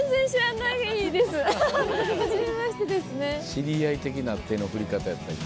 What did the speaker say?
知り合い的な手の振り方やった今。